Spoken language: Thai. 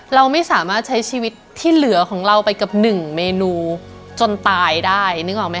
เราไม่สามารถใช้ชีวิตที่เหลือของเราไปกับหนึ่งเมนูจนตายได้นึกออกไหม